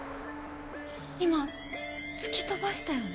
今突き飛ばしたよね？